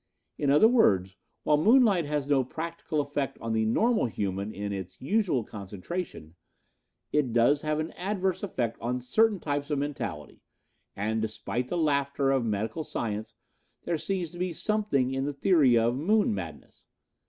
In other words, while moonlight has no practical effect on the normal human in its usual concentration, it does have an adverse effect on certain types of mentality and, despite the laughter of medical science, there seems to be something in the theory of 'moon madness.'